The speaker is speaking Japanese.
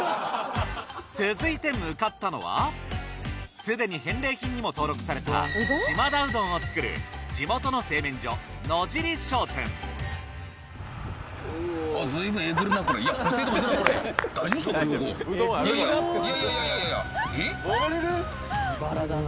続いて向かったのはすでに返礼品にも登録された島田うどんを作る地元の製麺所野尻商店いやいやえ！？